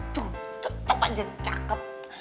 tetap aja cakep